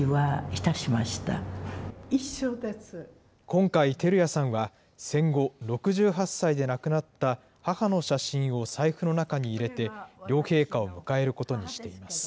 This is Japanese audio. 今回、照屋さんは戦後、６８歳で亡くなった母の写真を財布の中に入れて、両陛下を迎えることにしています。